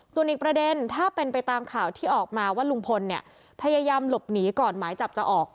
ส่วนอีกประเด็นถ้าเป็นไปตามข่าวที่ออกมาว่าลุงพลเนี่ยพยายามหลบหนีก่อนหมายจับจะออก